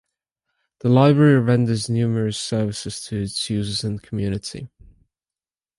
The library renders numerous services to its users and community.